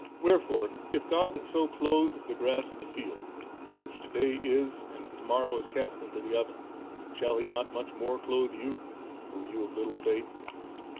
Wherefore if God so clothe the grass of the field which to day is, and to morrow is cast into the oven, shall He not much more clothe you, O ye of little faith"?'